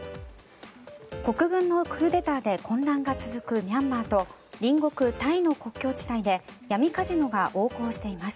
国軍のクーデターで混乱が続くミャンマーと隣国タイの国境地帯で闇カジノが横行しています。